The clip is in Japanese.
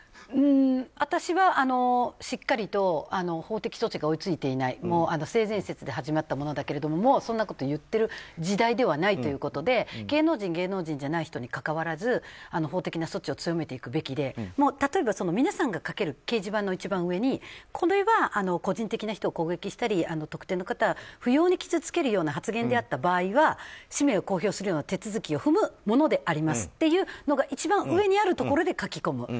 私はしっかりと法的措置が追い付いていない性善説で始まったものだけどもうそんなこと言っている時代ではないということで芸能人、芸能人じゃない人にかかわらず法的な措置を強めていくべきで例えば皆さんが書ける掲示板の一番上にこれは個人的な人を攻撃したり特定の方を不要に傷つける発言があった場合には氏名を公表する手続きを踏むものでありますということが一番上にあるところで書き込む。